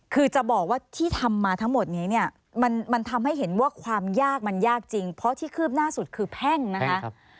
คือจะบอกว่าที่ทำมาทั้งหมดนี้เนี่ยมันทำให้เห็นว่าความยากมันยากจริงเพราะที่คืบหน้าสุดคือแพ่งนะคะ